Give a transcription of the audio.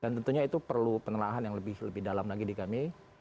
dan tentunya itu perlu penerahan yang lebih dalam lagi di kami